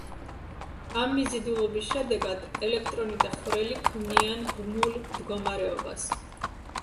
ამ მიზიდულობის შედეგად ელექტრონი და ხვრელი ქმნიან ბმულ მდგომარეობას.